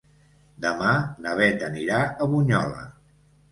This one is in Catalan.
Demà na Beth anirà a Bunyola.